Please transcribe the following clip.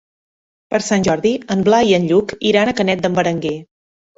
Per Sant Jordi en Blai i en Lluc iran a Canet d'en Berenguer.